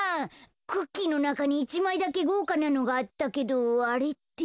クッキーのなかに１まいだけごうかなのがあったけどあれって。